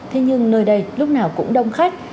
thế nhưng nơi đây lúc nào cũng đông khách